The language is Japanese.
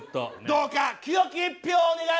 どうか清き一票をお願いします。